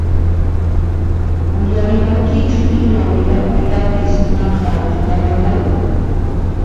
Uyarirankichu ima willakuytapis naqha tutamantan?